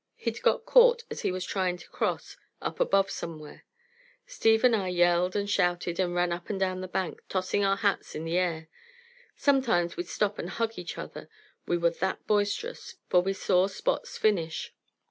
He'd got caught as he was trying to cross up above somewhere. Steve and I yelled and shouted and ran up and down the bank, tossing our hats in the air. Sometimes we'd stop and hug each other, we were that boisterous, for we saw Spot's finish.